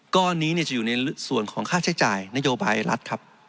ก้อนนี้จะอยู่ในส่วนของค่าใช้จ่ายนโยบายรัฐครับ